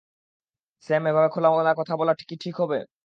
Sam, এভাবে খোলামেলা কথা বলা কি ঠিক হবে?